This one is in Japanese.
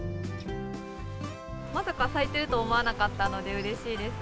まさか咲いてると思わなかったので、うれしいです。